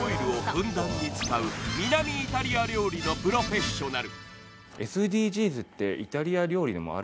トマトやオリーブオイルをふんだん使った南イタリア料理のプロフェッショナル。